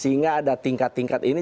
sehingga ada tingkat tingkat ini